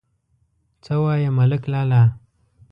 _څه وايي ملک لالا!